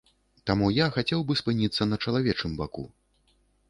Таму я хацеў бы спыніцца на чалавечым баку.